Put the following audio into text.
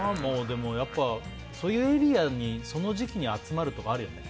そういうエリアにその時期に集まるとかあるよね。